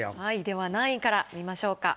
では何位から見ましょうか？